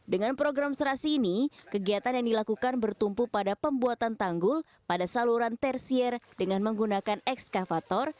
dengan program serasi ini kegiatan yang dilakukan bertumpu pada pembuatan tanggul pada saluran tersier dengan menggunakan ekskavator